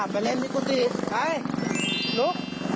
ไปเล่นมิกุฎิไปลุก